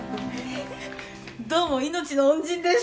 どうも命の恩人です。